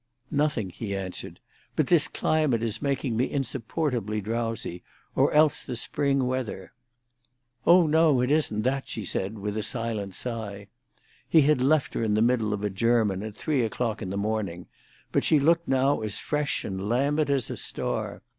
"Nothing," he answered. "But this climate is making me insupportably drowsy; or else the spring weather." "Oh no; it isn't that," she said, with a slight sigh. He had left her in the middle of a german at three o'clock in the morning, but she now looked as fresh and lambent as a star.